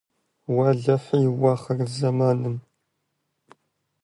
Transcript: Уэлэхьи, уахъырзэманым!